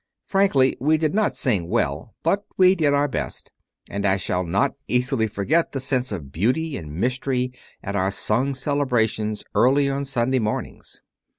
Frankly, we did not sing well, but we did our best; and I shall not easily forget the sense of beauty and mystery at our sung celebrations early on Sunday mornings.